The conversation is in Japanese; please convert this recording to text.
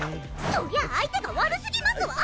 そりゃ相手が悪すぎますわ。